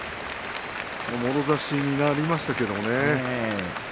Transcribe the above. もろ差しになりましたけれどもね。